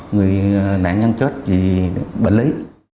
người nạn nhân chết vì bệnh lý